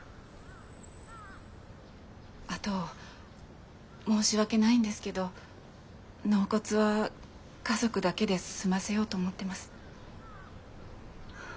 あと申し訳ないんですけど納骨は家族だけで済ませようと思ってます。